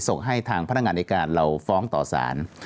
ส่งให้ทางพนักงานในการเราฟ้องต่อสาร